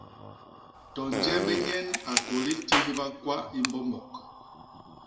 To nje bé nyen a kôli tihba kwa i mbombok.